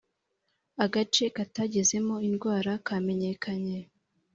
agace katagezemo indwara kamenyekanye